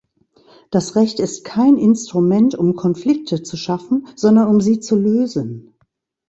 Das Recht ist kein Instrument, um Konflikte zu schaffen, sondern um sie zu lösen.